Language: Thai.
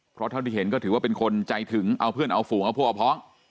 เพราะเท่าที่เห็นก็ถือว่าเป็นคนใจถึงเอาเพื่อนเอาฝูงเอาพวกเอาพ้อง